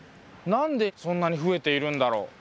なんでそんなに増えているんだろう？